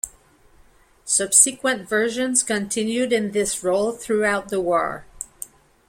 Subsequent versions continued in this role throughout the war.